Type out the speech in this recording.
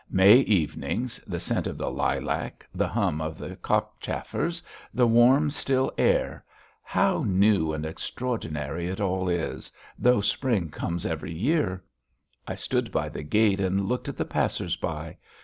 May evenings, the scent of the lilac, the hum of the cockchafers, the warm, still air how new and extraordinary it all is, though spring comes every year! I stood by the gate and looked at the passers by.